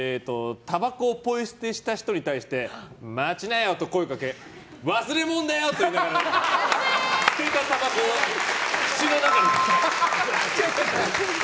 たばこをポイ捨てした人に対して待ちなよ！って声掛け忘れもんだよ！って言いながら捨てたたばこを口の中に。